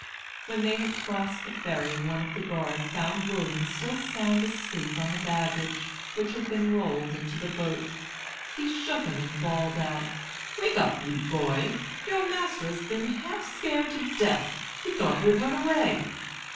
When they had crossed the ferry one of the guard found William still sound asleep on the baggage, which had been rolled into the boat. He shook him and bawled out: "Wake up, you boy! Your master has been half scared to death. He thought you had run away."